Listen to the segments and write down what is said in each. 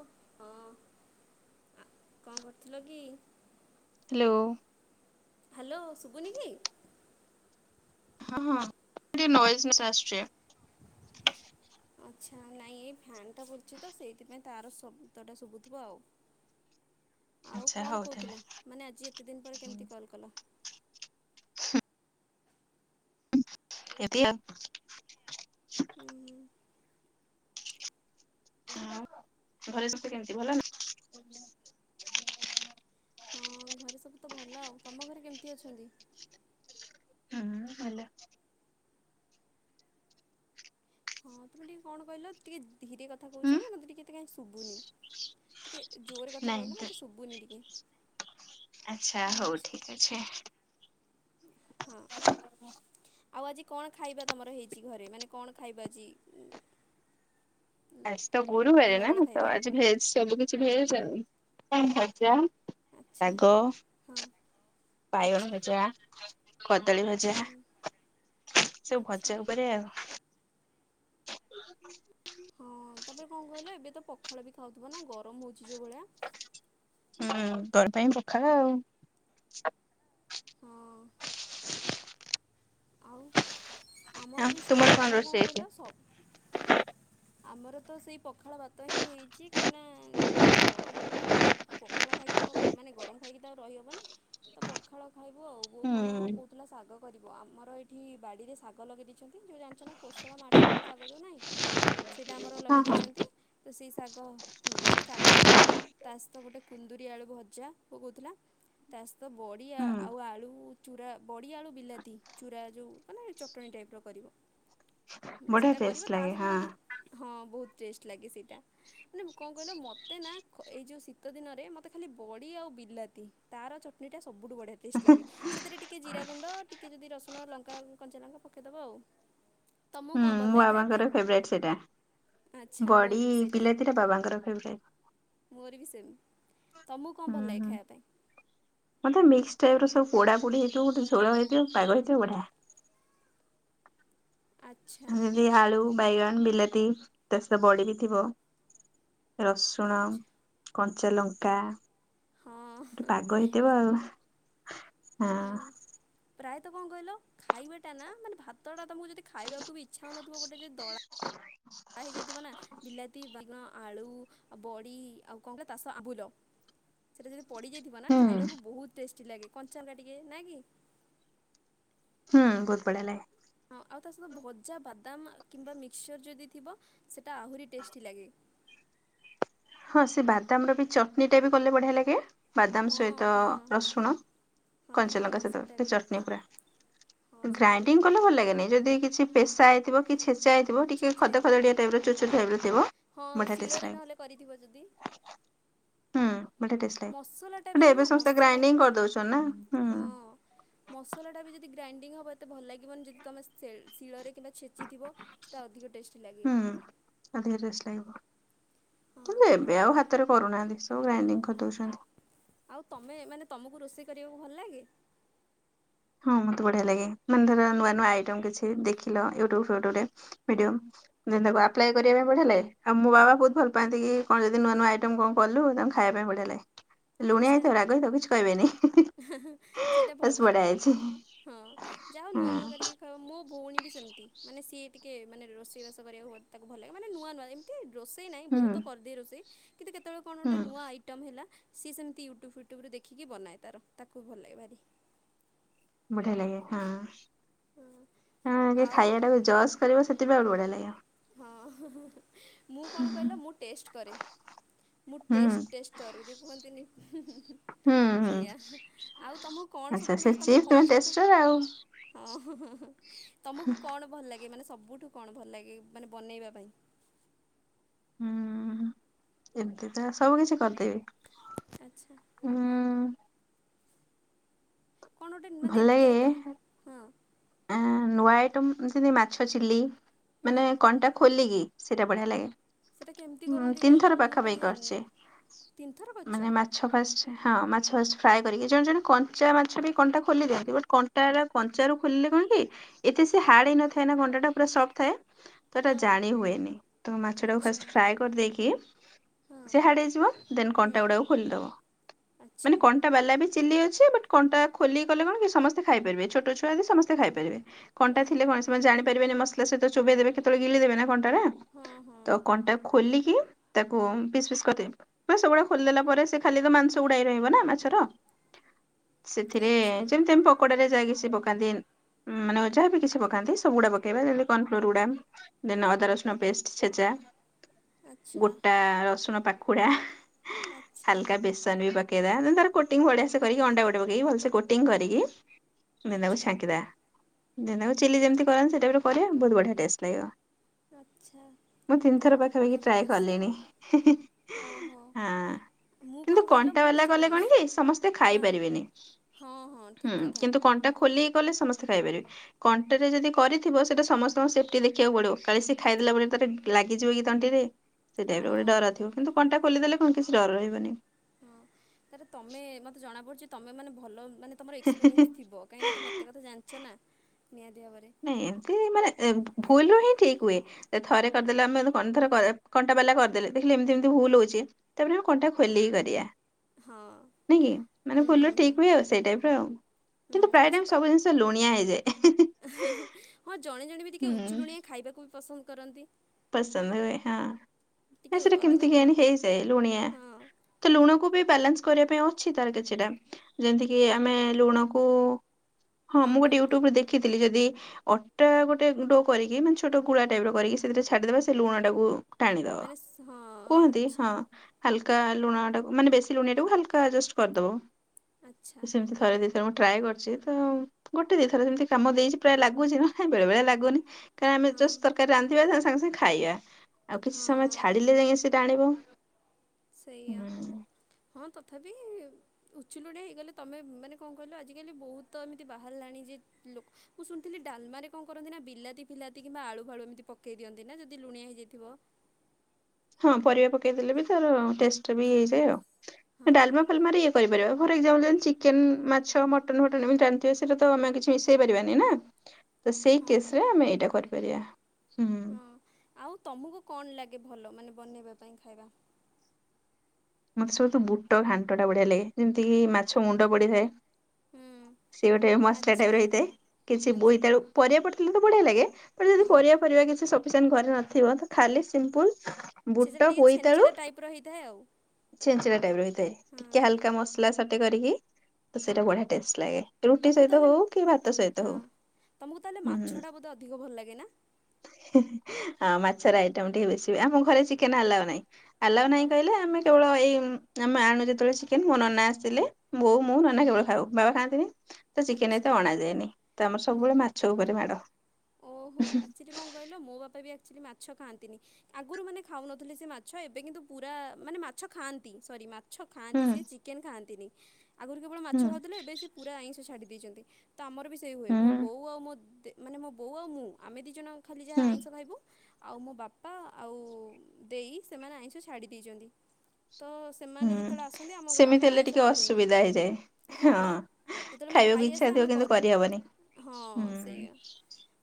ଓ ହଁ ଆ କଣ କରୁଥିଲ କି? ହ୍ୟାଲୋ। ହ୍ୟାଲୋ, ଶୁଭୁନି କି? ହଁ ହଁ, ଟିକେ ନଏଜ ମିଶା ଆସୁଛି। ଆଚ୍ଛା, ନାଇଁ ଏଇ ଫ୍ୟନ୍ଟା ବୁଲୁଛି ତ, ସେଇଥିପାଇଁ ତାର ଶବ୍ଦ ଟା ଶୁଭୁଥିବ ଆଉ। [inaudible] ଆଉ ଆଚ୍ଛା କଣ ହଉ ତାହେଲେ କହୁଥିଲ? ମାନେ ଆଜି ଏତେ ଦିନ ପରେ କେମିତି କଲ୍ କଲ? ହୁଁ। [unintelligible] ହୁଁ ହୁଁ ଆଉ, ଘରେ ସମସ୍ତେ କେମିତି, ଭଲ ନା? ହଁ ଘରେ ସବୁ ତ ଭଲ ଆଉ। ତମ ଘରେ କେମିତି ଅଛନ୍ତି? ହୁଁ ଭଲ। ହଁ ତୁମେ ଟିକେ କଣ କହିଲ ଟିକେ ଧୀରେ କଥା କହୁଛ ହୁଁ କି, ମୋତେ ଟିକେ ଏତେ କହିଁ ଶୁଭୁନି। ଟିକେ ଜୋରରେ କଥା କହିଲ, ମତେ ଶୁଭୁନି ଟିକେ। ଆଛା, ହଉ ଆଚ୍ଛା ଠିକ୍ ଅଛି। ହଁ। ଆଉ ଆଜି କଣ ଖାଇବା ତମର ହେଇଛି ଘରେ? ମାନେ କଣ ଖାଇବା ଆଜି [inaudible] ଆଜି ତ ଗୁରୁବାର ନା, ଦିନବେଳ ତ ଖାଇବା? ଆଜି ଭେଜ ସବୁ କିଛି ଭେଜ ଆଉ। ଭଜା ଆଚ୍ଛା ଶାଗ, ହଁ ବାଇଗଣ ଆଚ୍ଛା ଭଜା କଦଳୀ ଭଜା, ହୁଁ। ଓ ସବୁ ଆଚ୍ଛା ଭଜା ଉପରେ ଆଉ। [unintelligible] ହଁ ତାପରେ କଣ କହିଲ, ଏବେ ତ ପଖାଳ ବି ଖାଉଥିବ ନା ଗରମ ହଉଛି ଯୋଉ ଭଳିଆ। ହୁଁ ଘର ପାଇଁ ପଖାଳ ଆଉ। ହଁ। ଆଉ, ଆଉ ଆମର ବି ତୁମର ସେଇଆ। ଆମର କଣ ରୋଷେଇ କହିଲା ସବ [inaudible] ଆମର ତ ସେଇ ପଖାଳ ଭାତ ହିଁ ହେଇଛି, କାହିଁକିନା ଯେହେତୁ ଗରମ ଏଭଳି ହେଉଛି ପଖାଳ ଖାଇକି ତ ଆଉ, ମାନେ ଗରମ ଖାଇକି ତ ଆଉ ରହିହବନି, ତ ପଖାଳ ଖାଇବୁ ଆଉ। ବଉ କଣ ହୁଁ କହୁଥିଲା ଶାଗ କରିବ, ଆମ ଆମର ଏଠି ବାଡିରେ ଶାଗ ଲଗେଇ ଦେଇେଇଛନ୍ତି। ଯଉ ଜାଣିଛ ନା କୋଶଳା ମାସ ସବୁ ଶାଗ ଯୋଉ ନାହିଁ ସେଇଟା ଆମର ହଁ ଲଗେଇ ହଁ। ଦେଇେଇଛନ୍ତି। ତ ସେଇ ଶାଗ ହୁଁ ସେ ଶାଗ ହବ ତା ସହିତ ଗୋଟେ କୁନ୍ଦୁରି ଆଳୁ ଭଜା, ବଉ କହୁଥିଲା। ତା ସହିତ ବଡ଼ି ହୁଁ ଆଉ ଆଳୁ ଚୁରା ବଡ଼ି ଆଳୁ ବିଲାତି। ଚୁରା ଯେଉଁ ମେ ଚଟଣିୀ ଟାଇପ୍ର କରିବ ବଢିଆ ସେଇଟା ଟେଷ୍ଟ କରିବ ତା ଲାଗେ ସହିତ ହଁ। ଯଦି। ହଁ ବହୁତ ଟେଷ୍ଟ ଲାଗେ ସେଇଟା। ମାନେ କଣ କହିଲ ମତେ ନା ଏଇ ଯୋଉ ଶୀତ ଦିନରେ ମତେ ଖାଲି ବଡି ଆଉ ବିଲାତି। ତା ର ଚଟଣିଟା ସବୁଠୁ ବଢିଆ ଟେଷ୍ଟାଲାଗେ ସେଥିରେ ଟିକେ ଜିରା ଗୁଣ୍ଡ ଟିକେ ଯଦି ରସ ଣ ଲଙ୍କା କଞ୍ଚାଲଙ୍କା ପକାଇଦେବ ଆଉ। ତମକୁ ହୁଁ କ'ଣ ଭଲ ମୁଁ ଲାଗେ ଖାଇବା ପାଇଁ ବାବାଙ୍କର ଫେବରାଇଟ୍ ସେଇଟା। ଆଚ୍ଛା ବଡି ମୋର ବି ସେଇଟା ବିଲାତିଟା ବାବାଙ୍କର ଫେବରାଇଟ। ମୋର ବି ସେମ ତମକୁ କଣ ହୁଁ ଭଲ ଲାଗେ ହୁଁ। ଖାଇବା ପାଇଁ। ମତେ ମିକ୍ସ ଟାଇପ ର ସବୁ ପୋଡା ପୋଡି ହେଇଯିବ ଗୋଟେ ଝୋଳ ହେଇଥିବ ପାଗ ହେଇଥିବ ବଢିଆ। ଆଚ୍ଛା ଯଦି ଆଳୁ ବାଇଗଣ ବିଲାତି ତାଷ ବଢ ବିି ଥିବ। ଆ- ରସୁଣ କଞ୍ଚାଲଙ୍କା। ହଁ ପାଗ ହେଇଥିବ ଆଉ ହଁ। ପ୍ରାୟତ କଣ କହିଲ ଖାଇବା ଟା ନା ମାନେ ଭାତ ଟା ତମକୁ ଯଦି ଖାଇବାକୁ ବି ଇଚ୍ଛା ହଉନଥିବ ଗୋଟେ ଯ ଦଳା। [inaudible] ହେଇଯାଇଥିବ ନା ବିଲାତି ବାନ ଆଳୁ। ଆଉ ବଡି ଆଉ କଣ କହିଲ ତାଷ ଆବୁଲ ସେଟା ଯଦି ପଡିଯାଇଥିବ ନା ହୁଁ। ଖାଇବାକୁ ବହୁତ ଟେ ଲାଗ କି କଞ୍ଚହେଲା ଟିକେ ନାଇ କି। ହୁଁ ବହୁତ ବଢିଆ ଲାଗେ। ହଁ ଆଉ ତା ସହିତ ଭଜା ବାଦାମ କିମ୍ବା ମିକ୍ସଚର୍ ଯଦି ଥିବ ସେଇଟା ଆହୁରି ଟେଷ୍ଟି ଲାଗେ। ହଁ ସେ ବାଦାମ ର ବି ଚଟଣି ଟା ବି ଗଲେ ବଢିଆ ଲାଗେ। ବାଦାମ ହଁ ସହିତ ହଁ ରସୁଣ ହଁ ହଁ କଞ୍ଚାଲଙ୍କା ହଁ ସହିତ ସେଟା ଟିକେ ବି ଚଟଣି ସେ- ପୁରା। ହଁ ସେଟା ବି ଗ୍ରାଇଡିଙ୍ଗ ବହୁତ କଲେ ଭଲ ବଢ଼ିଆ ଲାଗେ ଲାଗେନି ଯଦି କିଛି। ପେସା ହେଇଥିବ କି ଛେଚା ହେଇଥିବ ଟିକେ ଛେଚା ଖଦ ହେଇଥିବ ଖଦଡିଆ ଟାଇପ ର ଚୋଚୋ ଟାଇପ ର ଥିବ। ହଁ ବଢିଆ ଟେଷ୍ଟ ଲାଗେ। ଶିଳରେ ନହେଲେ କରିଥିବ ଯଦି। [inaudible] ହୁଁ ବଢ଼ିଆ ଟେଷ୍ଟ ମସଲାଟା ବି ଲାଗେ ଏବେ ନୁହଁ ସମସ୍ତେ ମସଲାଟା ଗ୍ରାଇଣ୍ଡିଙ୍ଗ କରିଦଉଛନ୍ତି ନା ହଁ। ମସଲା ଟା ବି ଯଦି ଗ୍ରାଇଣ୍ଡିଙ୍ଗ ହବ ଏତେ ଭଲ ଲାଗିବନି ଯଦି ତମେ ଶୀଳରେ କିମ୍ୱା। ଛେଚିଥିବ ସେଇଟା ଅଧିକ ଟେଷ୍ଟି ଲାଗେ। ହୁଁ। ଅଧିକ ଟେଷ୍ଟ୍ ଲାଗିବ ହଁ କିନ୍ତୁ ଏବେ ଆଉ ହାତରେ କରୁନାହାନ୍ତି ସବୁ ହଁ ଗ୍ରାଇଣ୍ଡିଙ୍ଗ କରି। ଆଉ ତମେ ମାନେ ତମକୁ ରୋଷେଇ କରିବାକୁ ଭଲ ଲାଗେ? ହଁ ମତେ ବଢିଆ ଲାଗେ ମାନେ ଧର ନୂଆ ନୂଆ ଆଇଟମ କିଛି ଦେଖିଲ ୟୁଟୁବ ଫିୟୁଟୁବରେ ଭିଡିଅ। ଯେ ତାଙ୍କୁ ଆପ୍ଲାଏ କରିବା ପାଇଁ ବଢ଼ିଆଲାଗେ ଆଉ ମୋ ବାବା ବହୁତ ଭଲ ପାଆନ୍ତି କି କଣ ଯଦି ନୂଆ ନୂଆ ଆଇଟମ କଣ କଲୁ ତାଙ୍କୁ। ଖାଇବା ପାଇଁ ବଢ଼ିଆ ଲାଗେ ଲୁଣିଆ ଆଚ୍ଛା ହେଇଥିବ ରାଗହେଉଥାଉ କିଛି କହିବେନି। ସେଇଟା ବାସ୍ ଭଲ ବଢିଆ ହେଇଛି ହଁ ଯାହଉ ନୂଆ ହଁ ନୂଆ କରି ମୋ ଭଉଣୀ ବି ସେମିତି ମାନେ ସିଏ ଟିକେ ମାନେ ରୋଷେଇ ବାଷ କରିବାକୁ ତାକୁ ଭଲ ଲାଗେ ମାନେ ନୂଆ ନୂଆ। ରୋଷେଇ ନାଇଁ ହୁଁ। ବହୁତ କରିଦେଇ ରୋଷେଇ କିନ୍ତୁ କେତେବେଳେ କଣ ହୁଁ ଗୋଟେ ନୂଆ ଆଇଟମ ହେଲା। ସିଏ ସେମତି ୟୁଟ୍ୟୁବ୍ ଫୁଟ୍ୟୁବରେ ଦେଖିକି ବନାଏ ତାର ତାକୁ ଭଲ ଲାଗେ ଭାରି। ବଢିଆ ଲାଗେ ହଁ ହଁ ଆ ଆଉ ଖାଇବା ଟାକୁ ଜସ୍ କରିବ ସେଥିପାଇଁ ଆହୁରି ବଢିଆ ଲାଗିବ। ହଁ ମୁଁ କଣ କହିଲ ମୁଁ ଟେଷ୍ଟ କରେ। ମୁଁ ହୁଁ ଟେଷ୍ଟ ଟେଷ୍ଟର ଯଉ କୁହନ୍ତିନି। ହୁଁ ହୁଁ। ସେଇୟା ଆଉ ତମକୁ କଣ ଆଚ୍ଛା ସବୁଠୁ ସେ ମାନେ ତମକୁ ଚିପ୍ସ ତମେ କଣ ସବୁଠୁ। ଟେଷ୍ଟର ଆଉ ହୁଁ। ହଁ ତମକୁ କଣ ଭଲ ଲାଗେ ମାନେ ସବୁଠୁ କଣ ଭଲ ଲାଗେ ମାନେ ବନେଇବା ପାଇଁ? ହୁଁ ଏମିତି ତ ସବୁ କିଛି କରିଦେବି। ଆଚ୍ଛା। ହୁଁ। କଣ ଗୋଟେ ମାନେ ଭଲ ଏମିତି ଲାଗେ ଆଇଟମ୍ ହଁ ନୂଆ ଆଇଟମ୍ ଯେମତି ମାଛ ଚିଲ୍ଲି ହୁଁ ମାନେ କଣ୍ଟା ଖୋଲିକ କି। ସେଇଟା ବଢିଆ ଲାଗେ ସେଇଟା କେମିତି ହଁ କରନ୍ତି କହିଲ ତିନିଥର ମୁଁ ପାଖାପାଖି କାହିଁ ଜାଣିନି କରିଚି ତିନିଥର କରିଛ ମାନେ ମାଛ ଫାଷ୍ଟ ହଁ ମାଛ ଫାଷ୍ଟ ଫ୍ରାଏ କରିକି ଜଣେ ଜଣେ କଞ୍ଚା ମାଛ ବି କଣ୍ଟା ଖୋଲି ଦିଅନ୍ତି ବଟ୍ କଣ୍ଟାଟା କଞ୍ଚାରୁ ଖୋଲିଲେ କଣ କି ଏତେ ସେ ହାର୍ଡ ହେଇ ନଥାଏନା କଣ୍ଟା ଟା ପୁରା ସଫ୍ଟ ଥାଏ। ସେଟା ହଁ ଜାଣି ହୁଏନି ତମ ମାଛ ଟାକୁ ଆଚ୍ଛା ଫାଷ୍ଟ ଫ୍ରାଏ କରିଦେଇକି ହଁ ସିଏ ହାଡ ହେଇଯିବ ଦେନ୍ ହୁଁ କଣ୍ଟା ଗୁଡାକୁ ଖୋଲିଦବ ଆଚ୍ଛା ମାନେ କଣ୍ଟା ଟା ବାଲା ବି ଚିଲି ଅଛି ବଟ କଣ୍ଟା ଖୋଲିଲି କଲେ କଣ କି ସମସ୍ତେ ଖାଇପାରିବେ ଛୋଟ ଛୁଆବି ସମସ୍ତେ ଖାଇପାରିବେ। କଣ୍ଟା ଥିଲେ ଓହୋ କଣ ସେମାନେ ଜାଣିପାରିବେନି ମସଲା ସହିତ ଚୋବେଇ ଦେବେ କେତେବେଳେ ଗିଳିଦେବେ ନା କଣ୍ଟାରେ ହଁ ହଁ ତ କଣ୍ଟା ଖୋଲିକି ତାକୁ ପିସ୍ ପିସ୍ କରି ସବୁଗୁଡା ଖୋଲିଦେଲା ପରେ ସେ ଖାଲି ତ ମାଂସ ଗୁଡା ହି ରହିବ ନା ମାଛର ସେଥିରେ ଆଚ୍ଛା ଯେମିତି ଆମେ ପକୋଡାରେ ଯାଇକି ସେ ପକାନ୍ତି ମାନେ ଯାହା ବି କିଛି ପକାନ୍ତି ସବଗୁଡା ପକେଇବେ ଯେମିତି କର୍ଣ୍ଣ ଫ୍ଲୋର ଗୁଡ଼ା ଦିନ ଅଦା ରସୁଣ ପେଷ୍ଟ ଛେଚା। ଆଚ୍ଛା ଗୋଟା ରସୁଣ ପାଖୁଡା ଆଚ୍ଛା ହାଲକା ବେଶୀ ବି ପକେଇ ତାର କୋଟିଙ୍ଗ ବଢିଆ ସେ କରି ଅଣ୍ଡାଟେ ପକେଇକ ଭଲସେ କୋଟିଂ କରିକି ସେନାକୁ ଆଚ୍ଛା ଛାଙ୍କିବା ସେନାକୁ ଚିଲି ଯେମିତି କରନ୍ତି ସେଇଟା ଉପୋରେ କରିବାରେ ବହୁତ ବଢ଼ିଆ ଟେଷ୍ଟ ଲାଗିବ। ଆଚ୍ଛା। ମୁଁ ତିନି ଥର ତମକୁ ତ ପାଖାପାଖି ବଢିଆ ଟ୍ରାଏ ବନେଇ ଆସେ କଲିଣି। ଆଉ ଓହୋ। ହଁ ମୁଁ କଣ କିନ୍ତୁ କହିଲ କଣ୍ଟା ମୁଁ ବାଲା କିଛି କଲେ କଣ ବନାହି କି ସମସ୍ତେ ହଁ ଖାଇପାରିବେନି। ହଁ ହଁ ହୁଁ ଠିକ କଥା। କିନ୍ତୁ କଣ୍ଟା ଖୋଲିକି କଲେ ସମସ୍ତେ ଖାଇପାରିବେ। କଣ୍ଟାରେ ଯଦି କରିଥିବ ସେଇଟା ସମସ୍ତଙ୍କୁ ସେଫ୍ଟି ଦେଖିବାକୁ ପଡିବ କାଳେ ସେ ଖାଇଦେଲା ପରେ ତାର ଲାଗିଯିବ କି ତଣ୍ଟି ରେ ସେଇ ଟାଇପର ଗୋଟେ ହଁ ଡରଥିବ କିନ୍ତୁ କଣ୍ଟା ଖୋଲିଦେଲେ କଣ କିଛି ଡର ରହିବନି। ହଁ ତାରେ ତମେ ମୋତେ ଜଣାପଡ଼ୁଛି ତୁମେ ମାନେ ଭଲ ମାନେ ତୁମର ଏକ୍ସପିରିଏନ୍ସ ରହିବନି। ଥିବ। କାହିଁକି ନା ତମେ ଏତେ କଥା ଜାଣିଛ ନା ନିହାତି ଭାବରେ। ନାଇଁ ଏମିତି ମାନେ ଭୁଲରୁୁ ହିଁ ଠିକ ହୁଏ। ଥରେ କରିଦେଲେ ଆମେଥ କଣ କଣ୍ଟା ବାଲା କରିଦେଲେ ଦେଖିଲେ ଏମିତି ଏମିତି ଭୁଲ ହଉଛି। ତାପରେ ଆମେ କଣ୍ଟା ଖୋଲିକି କରିବା। ହଁ। ନାଇଁ କି ମାନେ ହୁଁ ଭୁଲ ରୁ ହୁଁ ହିଁ ହୁଁ ଠିକ ହୁଏ ଆଉ ସେଇ ଟାଇପ ର ଆଉ। କିନ୍ତୁ ହୁଁ ପ୍ରାୟ ଆଚ୍ଛା ଟାଇମ ତ ସବୁ ଜିନିଷ ଲୁଣିଆ ହେଇଯାଏ ହେଁ ହେଁ। ହଁ ଜଣେ ଜଣେ ବି ଟିକେ ଉଚୁ ହୁଁ। ଲୁଣିଆ ଖାଇବାକୁ ବି ପସନ୍ଦ କରନ୍ତି। ପସନ୍ଦ ହୁଏ ହଁ ଟିକେ ସେଟା ଅଧିକ କେମିତି ଲୁଣ କେଇଯାନି ହେଇଯାଏ ଲୁଣିଆ। ହଁ ତ ଲୁଣକୁ ବି ବାଲାନ୍ସ କରିବା ପାଇଁ ଅଛି ତାର କିଛିଟା। ଯେମତିକି ଆମେ ଲୁଣକୁ ହଁ ମୁଁ ଗୋଟେ ୟୁଟ୍ୟୁବରେ ଦେଖିଥିଲି ଯଦି ଅଟା ଗୋଟେ ଡୋ କରିକି ମାନେ ଛୋଟ ଗୁଳା ଟାଇପର କରିକି ସେଥିରେ ଛାଡିଦବା ସେ ଲୁଣ ଟାକୁ ଟାଣିଦବ ମାନେ ସ- ହଁ କୁହନ୍ତି ଆଚ୍ଛା ହଁ। ହାଲକା ଲୁଣ ଟାକୁ ମାନେ ବେଶୀ ଲୁଣିଆ ଟାକୁ ହାଲକା ଜଷ୍ଟ କରିଦବ ଆଚ୍ଛା ସେମ। ଥରେ ଦୁଇଥରେ ମୁଁ ଟ୍ରାଏ କରିଛି ତ ଗୋଟେ ଦିଇଥର ସେମତି କାମ ଦେଇଛି ପ୍ରାୟ ଲାଗୁଛି ନା ନାଇଁ ବେଳେ ବେଳେ ଲାଗୁନି। କାହିଁକି ନା ଆମେ ହଁ ଜଷ୍ଟ ତରକାରୀ ରାନ୍ଧିବା ସାଙ୍ଗେ ସାଙ୍ଗେ ଖାଇବା। ଆଉ କିଛି ହଁ ସମୟ ଛାଡିଲେ ଯାଇ ସେଇଟା ଟାଣିବ। ସେଇଆ ହଁ ତଥାପି ଉଚୁ ଲୁଣିଆ ହେଇଗଲେ ତମେ ମାନେ କଣ କହିଲ ଆଜିକାଲି ବହୁତ ତ ଏମିତି ବାହାରିଲାଣି ଯେ ଲୋ ମୁଁ ଶୁଣିଥିଲି ଡାଲମାରେ କଣ କରନ୍ତି ନା ବିଲାତି ଫିଲାତି କିମ୍ବା ଆଳୁ ଫାଳୁ ଏମିତି ପକେଇ ଦିଅନ୍ତି ନା ଯଦି ଲୁଣିଆ ହେଇଯାଇଥିବ। ହଁ ପରିବା ପକେଇ ଦେଲେ ବି ତାର ଟେଷ୍ଟ ଟା ବି ଇଏ ହେଇଯାଏ ହଁ ଆଉ। ଡାଲମା ଫାଲମାରେ କରିପାରିବା ଫର୍ ଏକ୍ସାମ୍ପ୍ଲ ଯେମିତି ଚିକେନ ମାଛ ମଟନ୍ ଫଟନ ଏମିତି ଜାଣିଥିବ ସେଇଟା ତ ଆମେ କିଛି ମିଶେଇ ପାରିବାନିନା। ତ ସେଇ ହଁ ପରା କେସ ରେ ଆମେ ଏଇଟା କରିପାରିବା ହୁଁ। ହଁ ଆଉ ତମକୁ କଣ ଲାଗେ ଭଲ ମାନେ ବନେଇବା ପାଇଁ ଖାଇବା? ମତେ ସବୁଠୁ ବୁଟ ଘାଣ୍ଟତା ବଢିଆ ଲାଗେ ଯେମିତି କିି ମାଛ ମୁଣ୍ଡ ପଡ଼ିଥାଏ। ହୁଁ ସେ ଗୋଟେ ମସଲା ଆଚ୍ଛା ଟାଇପର ହେଇଥାଏ। କିଛି ଆଚ୍ଛା ବୋଇତାଳୁ ପରିବା ପଡିଥିଲେ ତ ବଢିଆ ଲାଗେ ବଟ ଯଦି ହଁ ପରିବା ପରିବା କିଛି ସଫିସେଣ୍ଟ ଘରେ ନଥିବ ତ ଖାଲି ସିମ୍ପୁଲ ସେଟା ବୁଟ ଟିକେ ଛେଞ୍ଚେଡା ଟାଇପ ର ହେଇଥାଏ ଆଉ। ଛେଞ୍ଚିଡା ଟାଇପ ର ହେଇଥାଏ। ହଁ ଟିକେ ହାଲକା ମସଲା ସଟେ କରିକି ତ ସେଇଟା ବଢିଆ ଟେଷ୍ଟ ଲାଗେ। ରୁଟି ତମକୁ ସହିତ ତାହେଲେ ହଉ କି ଭାତ ସହିତ ହଁ ହଉ ତମକୁ ତାହେଲେ ହୁଁ। ମାଛଟା ବୋଧେ ଅଧିକ ଭଲ ଲାଗେ ନା ହଁ ମାଛର ଆଇଟମ ଟିକେ ବେଶୀ ହୁଏ। ଆମ ଘରେ ଚିକେନ ଆଲାଉ ନାଇଁ। ଆଲାଉ ନାହିଁ ଆଉ କହିଲେ ଆମେ କେବଳ ଏଇ ଆମ ଆଣୁ ଯେତେବେଳେ ଚିକେନ ମୋ ନନା ଆସିଥିଲେ ବୋଉ ମୁଁ ନନା କେବଳ ଖାଉ ବାବା ଖାଆନ୍ତିନି। ତ ଚିକେନ ଆଚ୍ଛା ଏତେ ଅଣାଯାଏନି ତ ଆମର ମୁଁ ସବୁବେଳେ ମାଛ ଉପରେ ମାଡ। ଓହୋ ଆକ୍ଚୁଆଲି କଣ କହିଲ ମୋ ବାପା ବି ଆକ୍ଚୁଆଲି ମାଛ ଖାଆନ୍ତିନି। ଆଗରୁ ମାନେ ଖାଉନଥିଲେ ସେ ମାଛ ଏବେ କିନ୍ତୁ ପୁରା ମାନେ ମାଛ ଖାଆନ୍ତି ସରି ମା ମାଛ ଖାଆନ୍ତି ହୁଁ ସିଏ ଚିକେନ ଖାଆନ୍ତିନି ଆଗରୁ କେବଳ ମାଛ ହୁଁ ଖାଉଥିଲେ ଏବେ ସିଏ ପୁରା ଆଇଁଷ ଛାଡି ଦେଇଛନ୍ତି। ତ ଆମର ବି ସେଇ ହୁଏ ମୋ ହୁଁ ବୋଉ ଆଉ ମୋ ଦେ ମାନେ ମୋ ବୋଉ ଆଉ ମୁଁ ଆମେ ଦୁଇ ଜଣ ଖାଲି ଯାହା ହୁଁ ଆଇଁଷ ଖାଇବୁ। ଆଉ ମୋ ବାପା ଆଉ ଦେଇ ସେମାନେ ଆଇଁଷ ଛାଡ଼ି ଦେଇଛନ୍ତି ତ ସେମାନେ ହୁଁ। ଯେତେବେଳେ ଆସନ୍ତି ଆମ ଘ ସେମିତି ଆମେ ହେଲେ ଆଇଁଷ ଟିକେ କରୁନା ଅସୁବିଧା ହେଇଯାଏ। ହଁ ପରା। ଯେତେବେଳେ ମୋ ଖାଇବାକୁ ଭାଇ ଇଚ୍ଛା ଆସେ ଥିବ ଆମେ କିନ୍ତୁ କରୁ କରିହବନି ହଁ ହୁଁ। ସେଇଆ।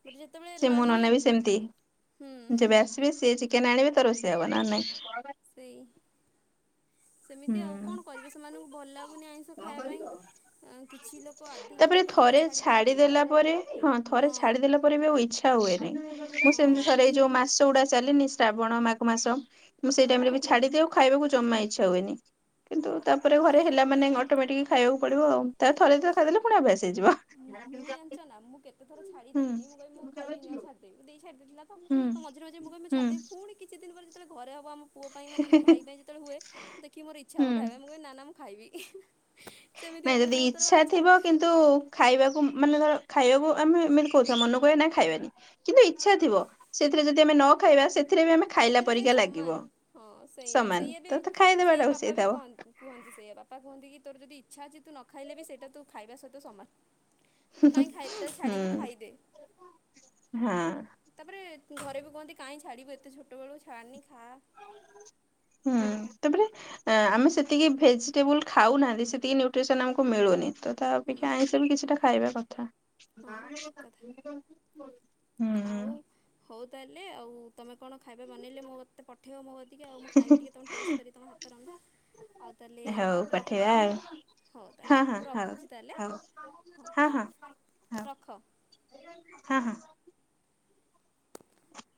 ବଟ୍ ଯେତେବେଳେ ସେ ମୋ ନାହିଁ ନନା ବି ସେମିତି ହୁଁ ଯେବେ ଆସିବେ ସିଏ ଚିକ କେନ ଆଣିବେ ତ ରୋଷେଇ ହେବ ନହେଲେ ନାଇଁ ସେଇ ସେମିତି ଆଉ ହୁଁ। କଣ କରିବେ ସେମାନଙ୍କୁ ଭଲ ଲାଗୁନି ଆଇଁଷ ଖାଇବା ପାଇଁ। କିଛି ଲୋକ ତାପରେ ଆଧ୍ୟାତ୍ମିକ ଯୋଗୁଁ ଥରେ ଛାଡ଼ି ଦିଅନ୍ତି ଛାଡିଦେଲା ପରେ ହଁ ଥରେ ଛାଡିଦେଲା ପରେ ବି ଆଉ ଇଛ ଛା ହୁଏନି। ହଁ। ମୁଁ ସେମିତି ଥରେ ଏଇ ଯୋଉ ମାସ ଗୁଡା ଚାଲେନି ଶ୍ରାବଣ ମାଘ ମାସ ମୁଁ ସେଇ ହଁ ଟାଇମ ରେ ବି ଛାଡିଦିଏ ଆଉ ଖାଇବାକୁ ଜମା ଇଚ୍ଛା ହୁଏନି। ହଁ କିନ୍ତୁ ପରା। ତାପରେ ଘରେ ହେଲା ମାନେ ଅଟୋମେଟିକ ଖାଇବାକୁ ପଡିବ ଆଉ ତା ଥରେ ଦିଥର ଖାଇଦେଲେ ପୁଣି ଅଭ୍ୟାସ ହେଇଯିବ। ମୁଁ ମୁଁ ଜାଣିଛ ନା ମୁଁ କେତେଥର ହୁଁ ଛାଡିଦେଲିଣି। ମୁଁ କହିବି ମୁଁ ଖାଇବିନି ଆଉ ଛାଡ଼ିଦେବି ମୋ ଦେଇ ଛାଡ଼ିଦେଇଥିଲା ତ ହୁଁ ମଝିରେ ମଝିରେ ମୁଁ କହିବି ମୁଁ ହୁଁ ଛାଡ଼ିଦେବି ପୁଣି କିଛି ଦିନ ପରେ ଯେତେବେଳେ ଘରେ ହବ ଆମ ପୁଅ ପାଇଁ ମାନେ ମୋ ଭାଇ ପାଇଁ ଯେତେବେଳେ ହୁଏ ଦେଖି ମୋର ଇଚ୍ଛା ହବ ହୁଁ ଖାଇବା ମୁଁ କହିବି ନା ନା ମୁଁ ଖାଇବି। ସେମିତି ନାଇଁ ହୁଏ ମୁଁ ଯଦି ବହୁତ ଥର ଇଛା ଭାବେ ଥିବ ଛାଡ଼ିଦେବି କିନ୍ତୁ ଖାଇବାକୁ ମାନେ ଧର ଖାଇବାକୁ ଆମେ ଏମିତି କହୁଥିବା ମନ କହିବେ ନାଇ ଖାଇବାନି। କିନ୍ତୁ ଇଚ୍ଛା ଥିବ ସେଥିରେ ଯଦି ଆମେ ନ ଖାଇବା ସେ ଥିରେ ବି ଆମେ ଖାଇଲା ସେଥିରେ ସେଇ ପରିକା ସମାନ ଲାଗିବ ହଁ ସେଇଆ ସେଇଆ ସମାନ ବି ତତ ସେଇଆ ଖାଇଦବାଟା ବାପା ବି ଉଚିତ୍ ହବ। କହନ୍ତି କୁହନ୍ତି ସେଇଆ ବାପା କୁହନ୍ତି କି ତୋର ଯଦି ଇଚ୍ଛା ଅଛି ତୁ ନ ଖାଇଲେ ବି ସେଇଟା ତୁ ଖାଇବା ସହିତ ସମାନ। ତ ତୁ କାହିଁ ଖାଲିଟାରେ ହୁଁ ଛାଡିବୁ ଖାଇଦେ। ହଁ। ତାପରେ ଘରେ ବି କହନ୍ତି କାହିଁ ଛାଡିବୁ ଏତେ ଛୋଟ ବେଳୁ ଛାଡ଼ନି ଖା। ହୁଁ ତାପରେ ଏଁ, ଆମେ ସେତିକି ଭେଜିଟେବୁଲ୍ ଖାଉନାହାନ୍ତି ସେତିକି ନ୍ୟୁଟ୍ରିସନ୍ ଆମକୁ ମିଳୁନି। ତ ତା ହୁଁ। ଅପେକ୍ଷା ଆଇଁଷ ବି କିଛିଟା ଖାଇବା କଥା। ହଁ ଠିକ୍ କଥା ହୁଁ। ଆଉ ହଉ ତାହେଲେ ଆଉ ତୋମେ କଣ ଖାଇବେ ବନେଇଲେ ମୋତେ ପଠେଇବ ମୋ କତିକି ଆଉ, ମୁଁ ଖାଇବି ଟିକେ ତୋମ ଟେଷ୍ଟ କରିିବି, ତୋମ ହାତ ରନ୍ଧା। ଆଉ ତାହଲେ ହଉ ର ପଠେଇବା ହଉ ତାହେଲେ ଆଉ ହଁ ମୁଁ ହଁ ରଖୁଛି ତାହେଲେ ହଉ ହଉ ହଁ ହଁ ହଉ ରଖ। ହଁ, ହଁ। [unintelligible]